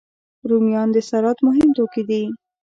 رومیان د سلاد مهم توکي دي